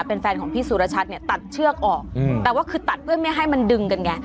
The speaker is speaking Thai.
เป็นแฟนของพี่สุรชัดเนี่ยตัดเชือกออกแต่ว่าคือตัดเพื่อไม่ให้มันดึงกันไง